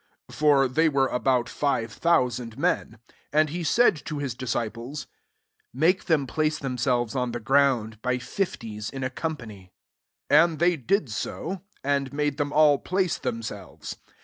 '' 14 For they were about five thousand men. And he said to his disciples, " Make them place themselves on the ground, by fifties in a com* pany." 15 And they did so; and made them all place themselves.